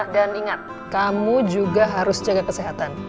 dan ingat kamu juga harus jaga kesehatan